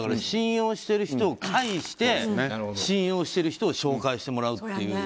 信用してる人を介して信用してる人を紹介してもらう。